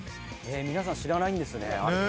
皆さん知らないんですね。